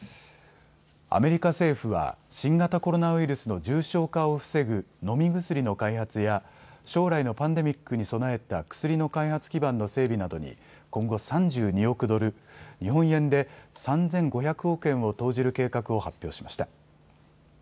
アメリカ政府は新型コロナウイルスの重症化を防ぐ飲み薬の開発や将来のパンデミックに備えた薬の開発基盤の整備などに今後、３２億ドル、日本円で３５００億円を投じる計画を発表しました。